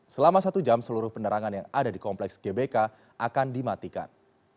selama satu jam seluruh penerangan yang ada di kompleks gbk akan dimatikan